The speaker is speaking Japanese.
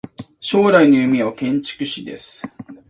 将来の夢は建築士です。